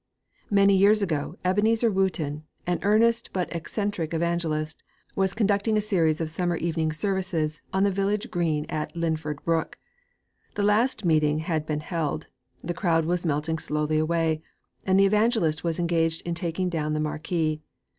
_' VII Many years ago, Ebenezer Wooton, an earnest but eccentric evangelist, was conducting a series of summer evening services on the village green at Lidford Brook. The last meeting had been held; the crowd was melting slowly away; and the evangelist was engaged in taking down the marquee.